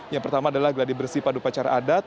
yang pertama adalah geladi bersih padu pacar adat